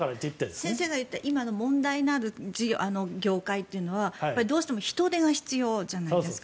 先生が言った今の問題のある業界というのはどうしても人手が必要じゃないですか。